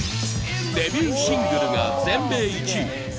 デビューシングルが全米１位。